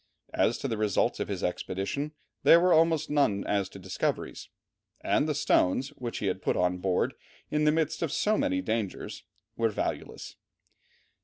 As to the results of his expedition they were almost none as to discoveries, and the stones, which he had put on board in the midst of so many dangers, were valueless.